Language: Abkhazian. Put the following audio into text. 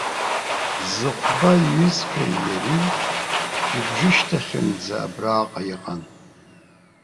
Зыхәба иҩызцәеи иареи шьыбжьышьҭахьынӡа абраҟа иҟан.